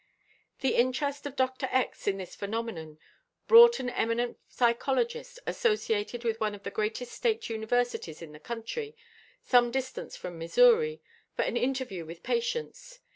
The interest of Dr. X. in this phenomenon brought an eminent psychologist, associated with one of the greatest state universities in the country, some distance from Missouri, for an interview with Patience.